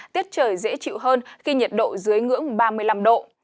tiết trời dễ chịu hơn khi nhiệt độ dưới ngưỡng ba mươi năm độ